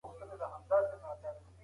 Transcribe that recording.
آيا نوی نسل د حالاتو متن درک کوي؟